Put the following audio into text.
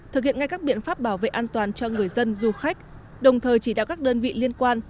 thực hiện ngay các biện pháp bảo vệ an toàn cho người dân du khách đồng thời chỉ đạo các đơn vị liên quan